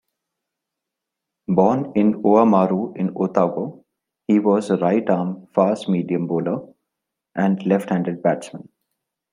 Born in Oamaru in Otago, he was a right-arm fast-medium bowler and left-handed batsman.